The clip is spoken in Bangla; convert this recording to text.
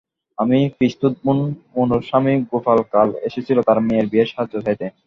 আমার পিসতুত বোন মুনুর স্বামী গোপাল কাল এসেছিল তার মেয়ের বিয়ের সাহায্য চাইতে।